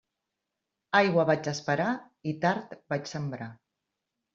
Aigua vaig esperar i tard vaig sembrar.